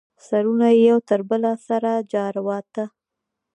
سرونه یې یو تر بله سره جارواته.